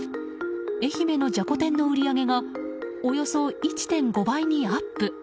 愛媛のじゃこ天の売り上げがおよそ１．５倍にアップ。